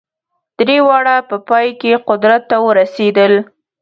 درې واړه په پای کې قدرت ته ورسېدل.